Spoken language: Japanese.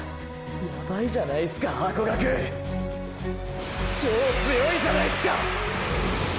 ヤバイじゃないすかハコガク超強いじゃないすか！！